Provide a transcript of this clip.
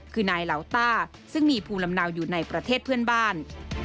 คือนายเหล่าต้าซึ่งมีภูมิลำเนาอยู่ในประเทศเพื่อนบ้าน